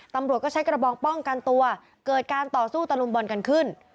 ตำรวจก็ใช้กระบองป้องกันตัวเกิดการต่อสู้ตะลุมบอลกันขึ้น